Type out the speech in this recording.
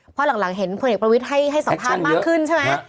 เพราะหลังเห็นพลลลนกลุดให้สอบพาตมากขึ้นใช่มั้ย